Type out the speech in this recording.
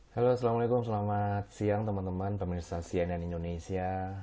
halo assalamualaikum selamat siang teman teman pemerintah cnn indonesia